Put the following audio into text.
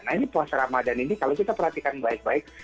nah ini puasa ramadan ini kalau kita perhatikan baik baik